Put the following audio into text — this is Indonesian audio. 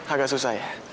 agak susah ya